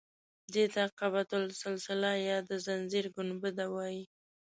دې ته قبة السلسله یا د زنځیر ګنبده وایي.